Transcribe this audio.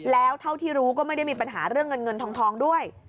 แล้วเท่าที่รู้ก็ไม่ได้มีปัญหาเรื่องเงินเงินทองด้วย